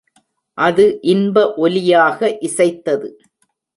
அது இன்ப ஒலியாக இசைத்தது.